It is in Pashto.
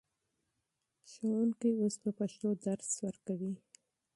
ښوونکي اوس په پښتو درس ورکوي.